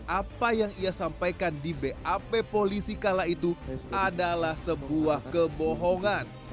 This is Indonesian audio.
apa yang ia sampaikan di bap polisi kala itu adalah sebuah kebohongan